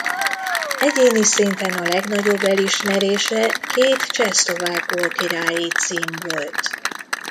Egyéni szinten a legnagyobb elismerése két csehszlovák gólkirályi cím volt.